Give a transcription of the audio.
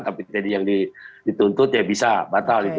tapi tadi yang dituntut ya bisa batal itu